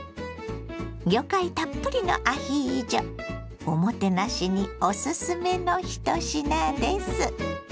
魚介たっぷりのアヒージョおもてなしにおすすめの一品です。